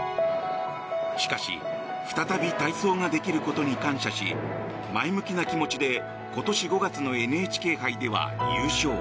しかし再び体操ができることに感謝し前向きな気持ちで今年５月のＮＨＫ杯では優勝。